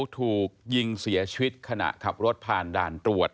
ถูกยิงเสียชีวิตขณะขับรถผ่านด่านตรวจ